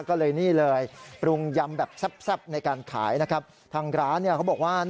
ก็เลยนี่เลยปรุงยำแบบซับในการขายนะครับ